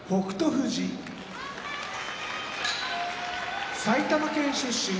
富士埼玉県出身